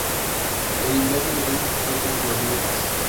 En invierno y otoño son frecuentes las nieblas.